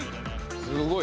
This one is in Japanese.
すごい。